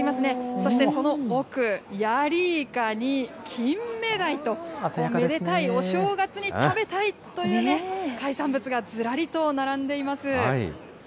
そしてその奥、ヤリイカに、キンメダイと、めでたいお正月に食べたいというね、海産物がずらりと並んでいます。